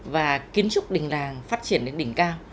và kiến trúc đình làng phát triển đến đỉnh cao